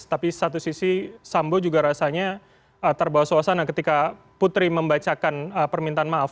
tapi satu sisi sambo juga rasanya terbawa suasana ketika putri membacakan permintaan maaf